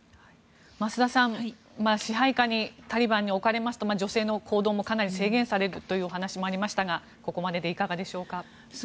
増田さん支配下にタリバンに置かれますと女性の行動もかなり制限されるというお話もありましたがここまででいかがでしょうか。